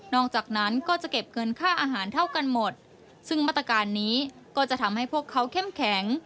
อกจากนั้นก็จะเก็บเงินค่าอาหารเท่ากันหมดซึ่งมาตรการนี้ก็จะทำให้พวกเขาเข้มแข็ง